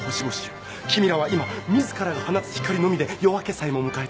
君らは今自らが放つ光のみで夜明けさえも迎えてしまった。